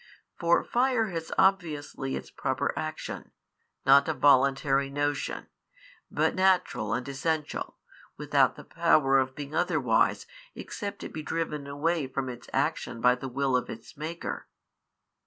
For fire has obviously its proper action, not of voluntary notion, but natural and essential, without the power of being otherwise except it be driven away from its action by the will of its Maker.